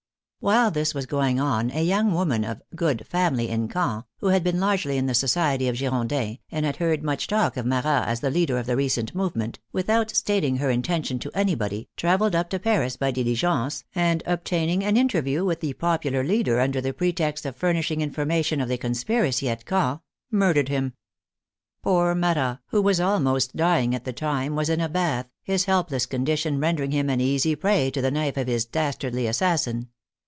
While this was going on a young woman of " good " family in Caen, who had been largely in the society of Girondins, and had heard much talk of Marat as the 67 6S THE FRENCH REVOLUTION ' leader of the recent movement, without stating her inten tion to anybody, traveled up to Paris by diligence, and obtaining an interview with the popular leader under the pretext of furnishing information of the conspiracy at Caen, murdered him. Poor Marat, who was almost dying at the time, was in a bath, his helpless condition rendering him an easy prey to the knife of his dastardly assassin.